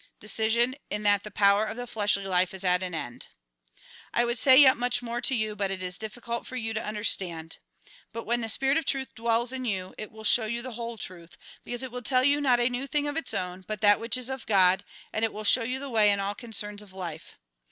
Decision, in that the power of the fleshly life is at an end. " I would say yet much more to you, but it is difficult for you to understand. But when the spirit of truth dwells in you, it will show you the whole truth, because it will tell you, not a new thing of its own, but that which is of God; and it will show you the way in all concerns of life.